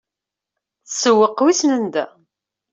Tssewweq wissen anda.